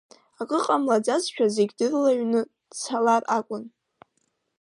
Акы ҟамлаӡазшәа зегьы дрылаҩны дцалар акәын.